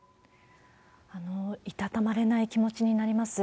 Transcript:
いたたまれない気持ちになります。